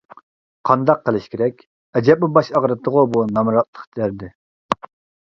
قانداق قىلىش كېرەك؟ ئەجەبمۇ باش ئاغرىتتىغۇ بۇ نامراتلىق دەردى.